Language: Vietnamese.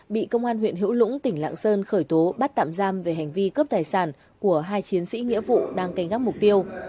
bị công an huyện hữu lũng tỉnh lạng sơn khởi tố bắt tạm giam về hành vi cướp tài sản của hai chiến sĩ nghĩa vụ đang canh gác mục tiêu